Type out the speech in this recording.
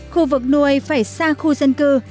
khu vực nuôi phải xa khu dân cư